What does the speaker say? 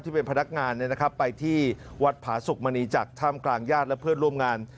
เป็นพนักงานไปที่วัดผาสุกมณีจากท่ามกลางญาติและเพื่อนร่วมงาน